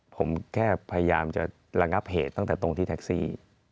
ผมแค่พยายามจะระงับเหตุตั้งแต่ตรงที่แท็กซี่